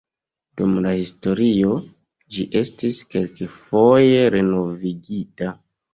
Dum la historio ĝi estis kelkfoje renovigita.